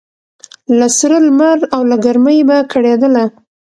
له سره لمر او له ګرمۍ به کړېدله